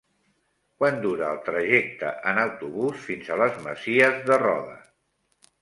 Quant dura el trajecte en autobús fins a les Masies de Roda?